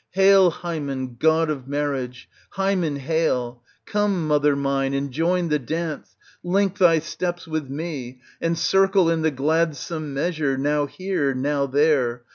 Hail H)rmen, god of marriage ! Hymen, hail! Come, mother mine, and join the dance, link thy steps with me, and circle in the gladsome measure, now here, now there.